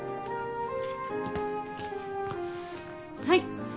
はい。